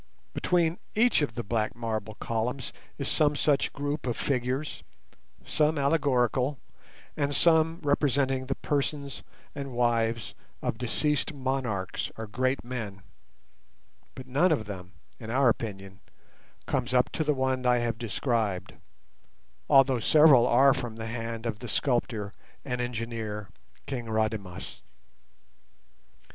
Between each of the black marble columns is some such group of figures, some allegorical, and some representing the persons and wives of deceased monarchs or great men; but none of them, in our opinion, comes up to the one I have described, although several are from the hand of the sculptor and engineer, King Rademas.